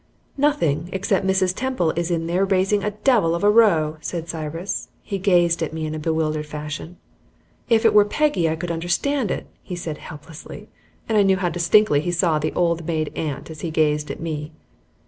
"Nothing, except Mrs. Temple is in there raising a devil of a row," said Cyrus. He gazed at me in a bewildered fashion. "If it were Peggy I could understand it," he said, helplessly, and I knew how distinctly he saw the old maid aunt as he gazed at me.